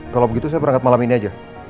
kalau begitu saya berangkat malam ini aja